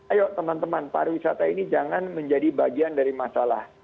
ayo teman teman pariwisata ini jangan menjadi bagian dari masalah